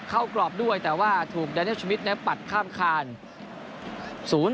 เข้ากรอบด้วยแต่ว่าถูกแดนิลชมิตรนะครับปัดข้ามคาน